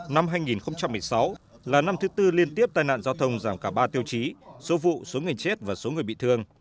năm hai nghìn một mươi sáu là năm thứ tư liên tiếp tai nạn giao thông giảm cả ba tiêu chí số vụ số người chết và số người bị thương